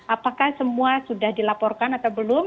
apakah semua sudah dilaporkan atau belum